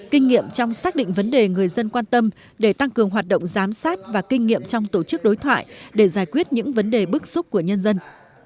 kinh nghiệm trong xác định vấn đề người dân quan tâm để tăng cường hoạt động giám sát và kinh nghiệm trong tổ chức đối thoại để giải quyết những vấn đề bức xúc của nhân dân